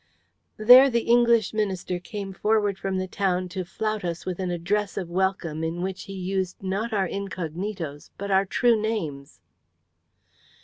"There the English minister came forward from the town to flout us with an address of welcome in which he used not our incognitos but our true names."